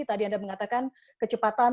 tadi anda mengatakan kecepatan